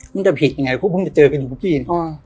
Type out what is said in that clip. มันจะผิดยังไงเพราะพวกมันจะเจอกันอยู่เมื่อกี้